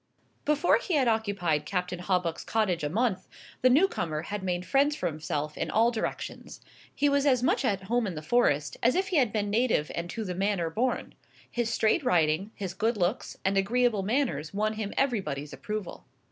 Before he had occupied Captain Hawbuck's cottage a month the new comer had made friends for himself in all directions. He was as much at home in the Forest as if he had been native and to the manner born. His straight riding, his good looks, and agreeable manners won him everybody's approval.